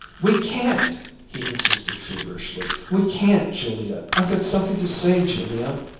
"We can't!" he insisted feverishly. "We can't, Julia! I've got something to say, Julia.